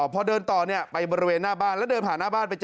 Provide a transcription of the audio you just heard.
พอเดินต่อไปบริเวณหน้าบ้านแล้วเดินผ่านหน้าบ้านไปเจอ